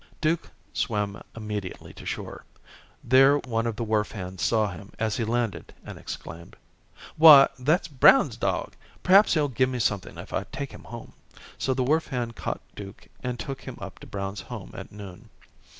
Duke swam immediately to shore. There one of the wharf hands saw him as he landed, and exclaimed: "Why, that's Brown's dog. Perhaps he'll give me something if I take him home." So the wharf hand caught Duke and took him up to Brown's home at noon.